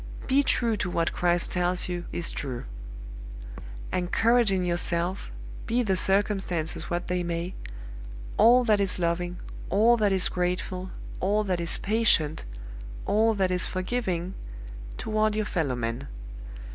Be true to what Christ tells you is true. Encourage in yourself, be the circumstances what they may, all that is loving, all that is grateful, all that is patient, all that is forgiving, toward your fellow men.